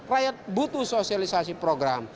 rakyat butuh sosialisasi program